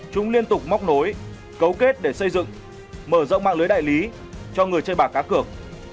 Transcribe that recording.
chúng liên tục móc nối cấu kết để xây dựng mở rộng mạng lưới đại lý cho người chơi bạc cá cược